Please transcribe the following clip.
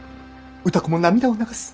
歌子も涙を流す。